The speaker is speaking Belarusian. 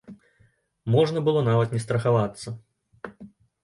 Можна было нават не страхавацца.